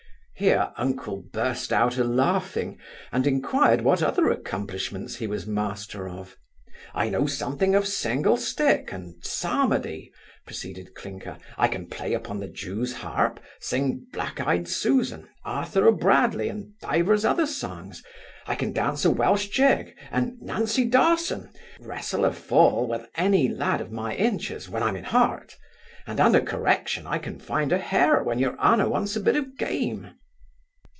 Here uncle burst out a laughing; and inquired what other accomplishments he was master of 'I know something of single stick, and psalmody (proceeded Clinker); I can play upon the jew's harp, sing Black ey'd Susan, Arthur o'Bradley, and divers other songs; I can dance a Welsh jig, and Nancy Dawson; wrestle a fall with any lad of my inches, when I'm in heart; and, under correction I can find a hare when your honour wants a bit of game.